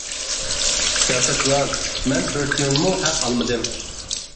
سىياسەتۋاز : مەن بىر تىيىنمۇ ھەق ئالمىدىم.